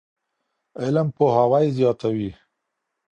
علم پوهاوی زیاتوي.